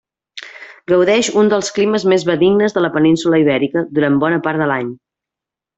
Gaudeix un dels climes més benignes de la península Ibèrica durant bona part de l'any.